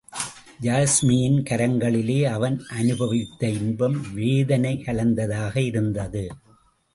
யாஸ்மியின் கரங்களிலே அவன் அனுபவித்த இன்பம் வேதனை கலந்ததாக இருந்தது.